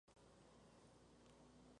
Su llamado es un "tchee-tchee-tchuut" agudo.